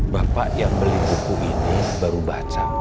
bapak yang beli buku ini baru baca